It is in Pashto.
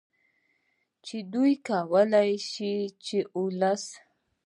چې دوی کولې شي چې ولس